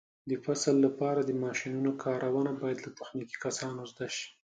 د فصل لپاره د ماشینونو کارونه باید له تخنیکي کسانو زده شي.